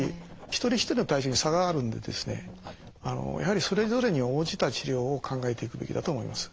一人一人の体調に差があるんでやはりそれぞれに応じた治療を考えていくべきだと思います。